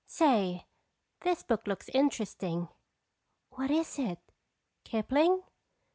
"Say, this book looks interesting." "What is it? Kipling?